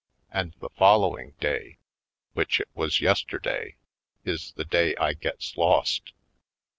And the follow ing day, which it was yesterday, is the day I gets lost.